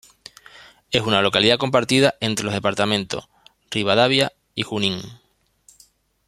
Es una localidad compartida entre los departamentos Rivadavia y Junín.